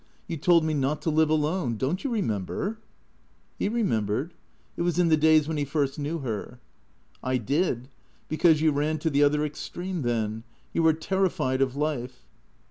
You told me not to live alone. Don't you remember ?" He remembered. It was in the days when he first knew her. " I did. Because you ran to the other extreme then. You were terrified of life."